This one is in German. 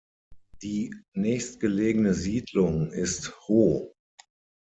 Die nächstgelegene Siedlung ist Ho.